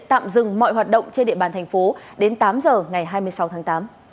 tạm dừng mọi hoạt động trên địa bàn thành phố đến tám giờ ngày hai mươi sáu tháng tám